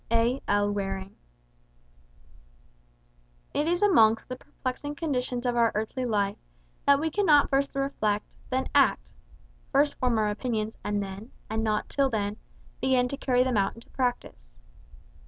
A. L. Waring It is amongst the perplexing conditions of our earthly life, that we cannot first reflect, then act; first form our opinions, then, and not till then, begin to carry them out into practice.